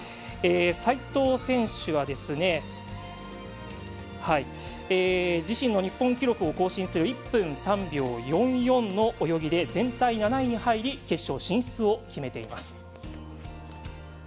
齋藤選手は自身の日本記録を更新する１分３秒４４の泳ぎで全体７位に入り決勝進出を決めています。